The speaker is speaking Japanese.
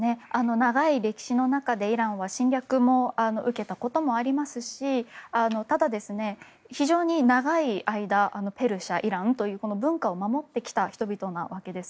長い歴史の中でイランは侵略も受けたこともありますしただ、非常に長い間ペルシャ、イランというこの文化を守ってきた人々なわけです。